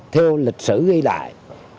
theo lịch sử ghi lại